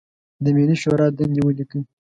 د ملي شورا دندې ولیکئ.